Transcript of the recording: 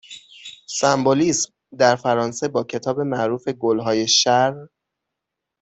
سمبولیسم در فرانسه با کتاب معروف گل های شر